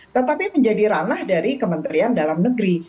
tetapi menjadi ranah dari kementerian dalam negeri